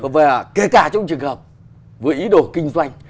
và kể cả trong trường hợp với ý đồ kinh doanh